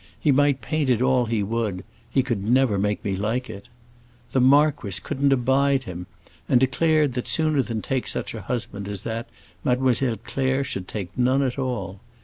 He might paint it all he would; he could never make me like it! The marquis couldn't abide him, and declared that sooner than take such a husband as that Mademoiselle Claire should take none at all.